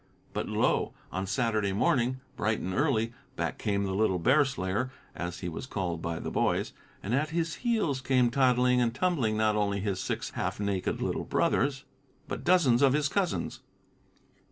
But lo! on Saturday morning, bright and early, back came the little Bear Slayer, as he was called by the boys, and at his heels came toddling and tumbling not only his six half naked little brown brothers, but dozens of his cousins.